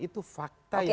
itu fakta yang tidak